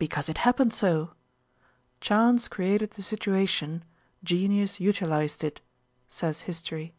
Because it happened so! "Chance created the situation; genius utilized it," says history.